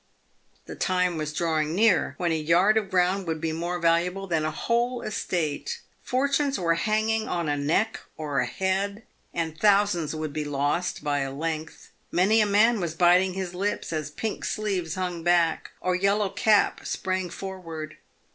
The time was drawing near when a yard of ground would be more valuable than a whole estate. Fortunes were hanging on a neck, or a head, and thousands would be lost by a length. Many a man was biting his lips as Pink Sleeves hung back, or Yellow Cap sprang for ward.